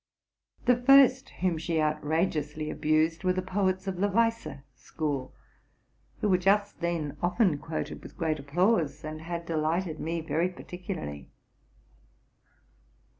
The first whom she outr: iweously abused were the poets of the Weisse school, who were just then often quoted with great applause, and had delighted me very particularly.